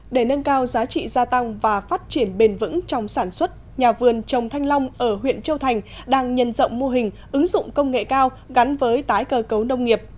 để nâng cao giá trị gia tăng và phát triển bền vững trong sản xuất nhà vườn trồng thanh long ở huyện châu thành đang nhân rộng mô hình ứng dụng công nghệ cao gắn với tái cơ cấu nông nghiệp